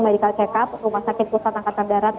medical check up rumah sakit pusat angkatan darat